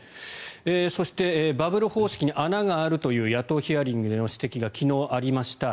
そしてバブル方式に穴があるという野党ヒアリングの指摘が昨日、ありました。